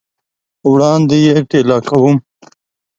وړاندي یې ټېله کوم !